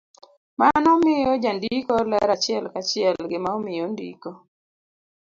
Mano miyo jandiko lero achiel ka chiel gima omiyo ondiko